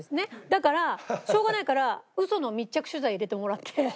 だからしょうがないからウソの密着取材入れてもらって。